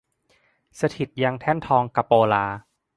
สถิตย์ยังแท่นทองกะโปลา